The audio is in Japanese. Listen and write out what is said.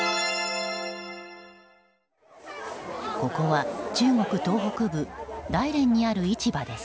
ここは中国東北部大連にある市場です。